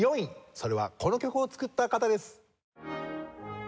それはこの曲を作った方です。